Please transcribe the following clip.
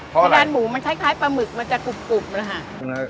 พิดานหมูมันคล้ายปลาหมึกมันจะกรุบนะคะ